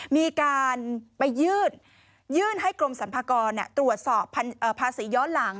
มีการไปยื่นให้กรมสรรพากรตรวจสอบภาษีย้อนหลัง